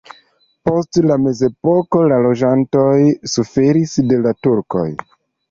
Post la mezepoko la loĝantoj suferis de la turkoj.